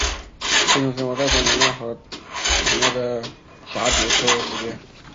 是一种生活在南亚和东南亚的蛱蝶科蝴蝶。